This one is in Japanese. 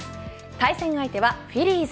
対戦相手はフィリーズ。